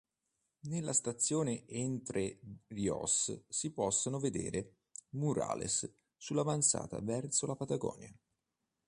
Nella stazione Entre Rios si possono vedere murales sull'avanzata verso la Patagonia.